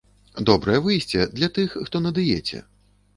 Добрае выйсце для тых, хто на дыеце.